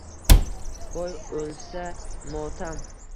Boy o’lsa-motam.